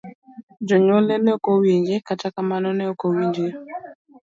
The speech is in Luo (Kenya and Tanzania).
Jonyuolne ne ok owinje, kata kamano ne ok owinjgi.